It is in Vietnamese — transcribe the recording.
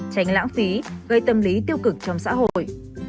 tránh lãng phí gây tâm lý tiêu cực trong xã hội